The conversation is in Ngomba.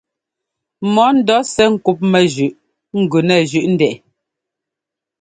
Mɔ ńdɔɔsɛ́ ŋ́kúpmɛ zʉꞌ gʉ nɛ zʉꞌ ndɛꞌ ɛ.